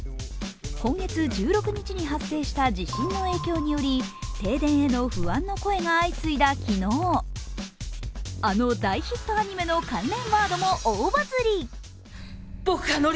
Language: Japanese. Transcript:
今月１６日に発生した地震の影響により停電への不安の声が相次いだ昨日、あの大ヒットアニメの関連ワードも大バズり。